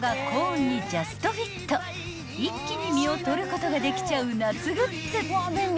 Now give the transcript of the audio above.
［一気に実を取ることができちゃう夏グッズ］